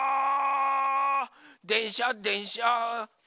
「でんしゃでんしゃ」